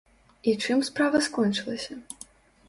І чым справа скончылася?